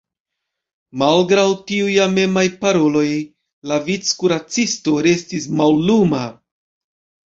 Malgraŭ tiuj amemaj paroloj, la vickuracisto restis malluma.